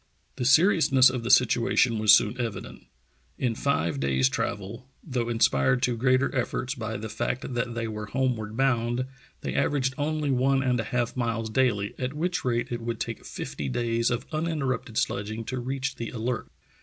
The seriousness of the situation was soon evident. In five days' travel, though inspired to greater efforts by the fact that they were homeward bound, they averaged only one and a half miles daily, at which rate it would take fifty days of uninterrupted sledging to reach the Alert.